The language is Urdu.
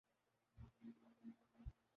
حکومت نے جو بھی سبسڈی دینی ہے وہ کسان کو ملے گی